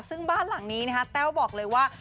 ซึ่งบ้านหลังนี้นะคะแต้วบอกเลยว่า